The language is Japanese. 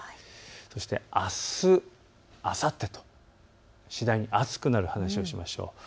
そして、あすあさってと次第に暑くなる話をしましょう。